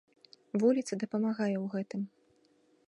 Вуліца дапамагае ў гэтым.